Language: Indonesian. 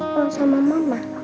mau sama mama